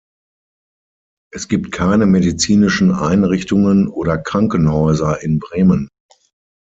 Es gibt keine medizinischen Einrichtungen oder Krankenhäuser in Bremen.